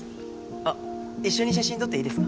あ一緒に写真撮っていいですか？